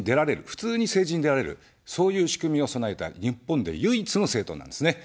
普通に政治に出られる、そういう仕組みを備えた日本で唯一の政党なんですね。